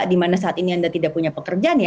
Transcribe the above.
di mana saat ini anda tidak punya pekerjaan